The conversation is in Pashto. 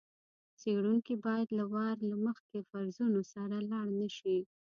څېړونکی باید له وار له مخکې فرضونو سره لاړ نه شي.